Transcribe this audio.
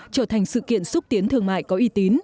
trở thành sự kiện xúc tiến thương mại có uy tín